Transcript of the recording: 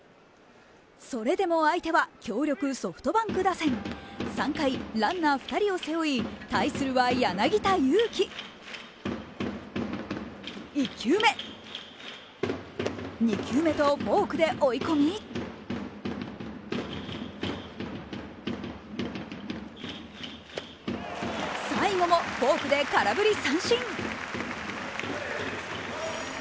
それでも相手は強力ソフトバンク打線３回、ランナー２人を背負い対するは柳田悠岐フォークで追い込み最後もフォークで空振り三振。